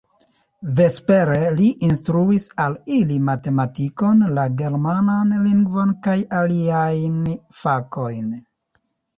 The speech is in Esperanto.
Vespere li instruis al ili matematikon, la germanan lingvon kaj aliajn fakojn.